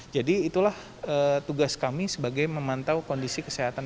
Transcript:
jadi itulah tugas kami sebagai memantau kondisi kesehatan